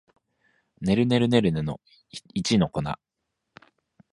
ねるねるねるねの一の粉